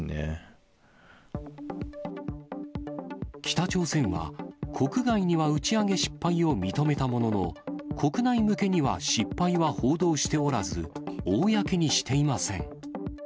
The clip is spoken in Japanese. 北朝鮮は、国外には打ち上げ失敗を認めたものの、国内向けには失敗は報道しておらず、公にしていません。